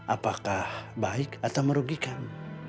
apakah baik atau merugikan